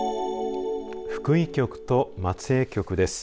福井局と松江局です。